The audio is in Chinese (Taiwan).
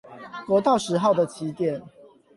國道十號的起點